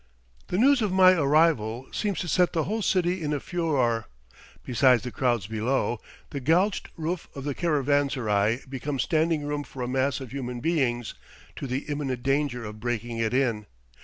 The news of my arrival seems to set the whole city in a furore; besides the crowds below, the galched roof of the caravanserai becomes standing room for a mass of human beings, to the imminent danger of breaking it in.